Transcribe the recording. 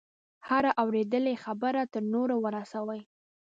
هره اورېدلې خبره تر نورو ورسوي.